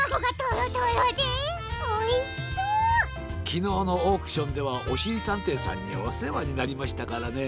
きのうのオークションではおしりたんていさんにおせわになりましたからね。